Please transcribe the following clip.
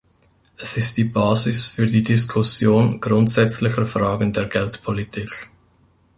Es ist die Basis für die Diskussion grundsätzlicher Fragen der Geldpolitik.